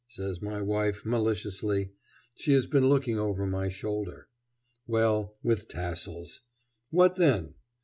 says my wife, maliciously she has been looking over my shoulder. Well, with tassels! What then?